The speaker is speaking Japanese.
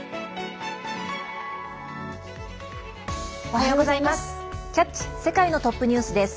おはようございます。